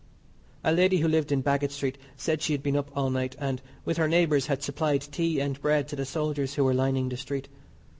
A lady who lived in Baggot Street said she had been up all night, and, with her neighbours, had supplied tea and bread to the soldiers who were lining the street.